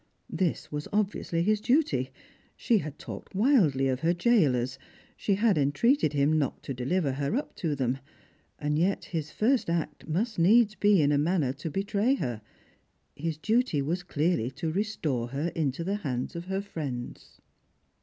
This was obviously his duty. She had talked wildly of her jailers; she had enti'eated him not to deliver her up to them : yet his first act must needs be in a manner to betray her. His duty was clearly to restore her into the hands of her friends.